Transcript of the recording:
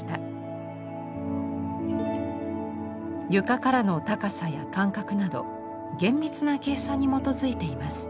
床からの高さや間隔など厳密な計算に基づいています。